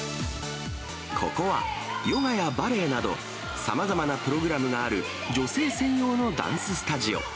ここは、ヨガやバレエなど、さまざまなプログラムがある、女性専用のダンススタジオ。